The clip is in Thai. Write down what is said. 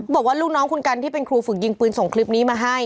บอกว่าลูกน้องคุณกันที่เป็นครูฝึกยิงปืนส่งคลิปนี้มาให้